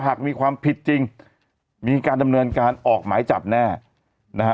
หากมีความผิดจริงมีการดำเนินการออกหมายจับแน่นะฮะ